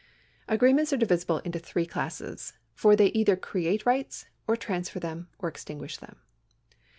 Agreements are divisible into three classes, for they either create rights, or transfer them, or extinguish them.